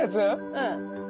うん。